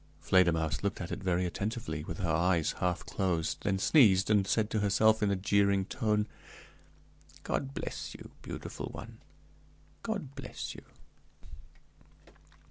Fledermausse looked at it very attentively, with her eyes half closed; then sneezed, and said to herself, in a jeering tone, "God bless you, beautiful one; God bless you!"